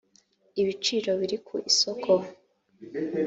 ibiciro biri ku isoko